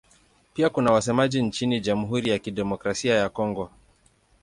Pia kuna wasemaji nchini Jamhuri ya Kidemokrasia ya Kongo.